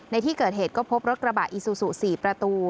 ในที่เกิดเหตุก็พบรถกระบะอีซูซู๔ประตู